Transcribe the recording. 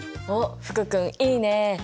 おっ福君いいね！